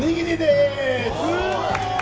すごーい！